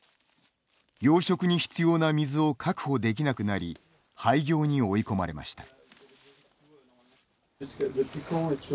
養殖に必要な水を確保できなくなり廃業に追い込まれました。